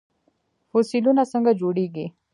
فوسیلونه څنګه جوړیږي؟